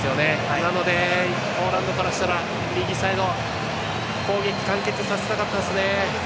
なので、ポーランドからしたら右サイドで攻撃を完結させたかったですね。